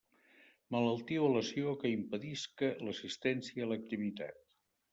Malaltia o lesió que impedisca l'assistència a l'activitat.